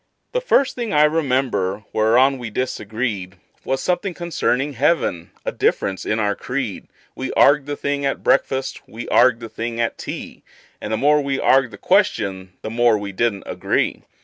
The first thing I remember whereon we disagreed Was something concerning heaven a difference in our creed; We arg'ed the thing at breakfast, we arg'ed the thing at tea, And the more we arg'ed the question the more we didn't agree.